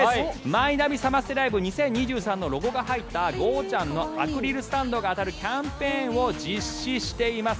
マイナビサマステライブ２０２３のロゴが入ったゴーちゃん。のアクリルスタンドが当たるキャンペーンを実施しています。